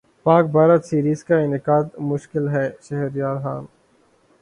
پاک بھارت سیریزکا انعقادمشکل ہے شہریارخان